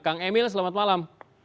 kang emil selamat malam